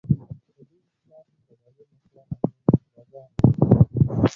په دې اېتلاف کې قبایلي مشران او نور نخبګان وو.